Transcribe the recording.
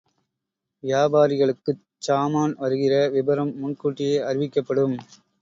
வியாபாரிகளுக்குச் சாமான் வருகிற விபரம் முன்கூட்டியே அறிவிக்கப்படும்.